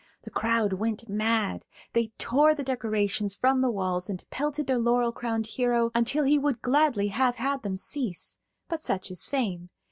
The crowd went mad; they tore the decorations from the walls and pelted their laurel crowned hero until he would gladly have had them cease; but such is fame.